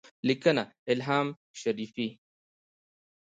لیکنه : الهام شریفي